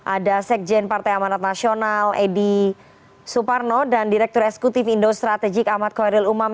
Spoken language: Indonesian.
ada sekjen partai amanat nasional edi suparno dan direktur eksekutif indo strategik ahmad khoirul umam